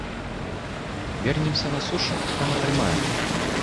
Вернемся на сушу, там атрымаем.